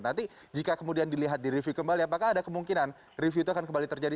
nanti jika kemudian dilihat di review kembali apakah ada kemungkinan review itu akan kembali terjadi